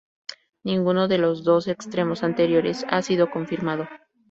Ninguno de los dos extremos anteriores ha sido confirmado.